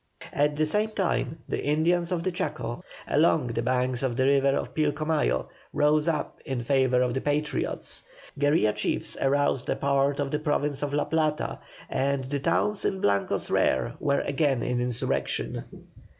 At the same time the Indians of the Chaco along the banks of the river Pilcomayo rose up in favour of the Patriots; guerilla chiefs aroused a part of the Province of La Plata; and the towns in Blanco's rear were again in insurrection.